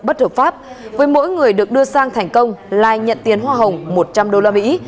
bất hợp pháp với mỗi người được đưa sang thành công lai nhận tiền hoa hồng một trăm linh đô la mỹ